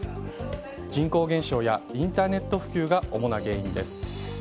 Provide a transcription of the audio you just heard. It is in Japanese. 人口減少やインターネット普及が主な原因です。